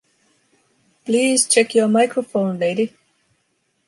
Please check your microphone, lady!